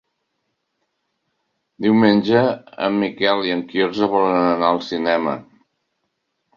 Diumenge en Miquel i en Quirze volen anar al cinema.